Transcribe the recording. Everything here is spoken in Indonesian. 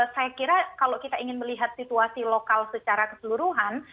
saya kira kalau kita ingin melihat situasi lokal secara keseluruhan